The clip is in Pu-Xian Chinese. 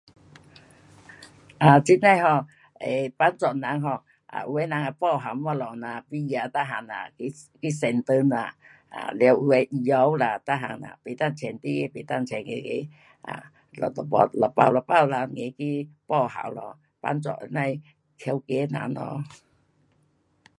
um 这样 um 帮助人 um 有的人会报效东西呐，米啊，每样啦，去，去 Centre 啦，了有的肥皂粉啦，不能穿这的，不能穿那个，嘞挷一包一包提去报效咯，帮助那样的调解人。